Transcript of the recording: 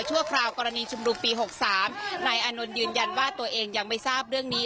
ชั่วคราวกรณีชุมนุมปี๖๓นายอานนท์ยืนยันว่าตัวเองยังไม่ทราบเรื่องนี้